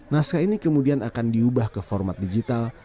naskah ini kemudian akan diubah ke format digital